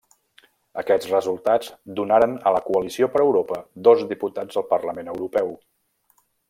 Aquests resultats donaren a la Coalició per Europa dos diputats al Parlament Europeu.